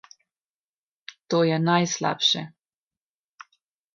To je najslabše.